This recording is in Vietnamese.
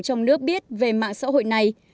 trong nước biết về mạng xã hội này